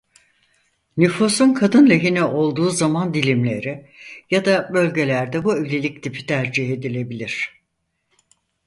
Nüfusun kadın lehine olduğu zaman dilimleri ya da bölgelerde bu evlilik tipi tercih edilebilir.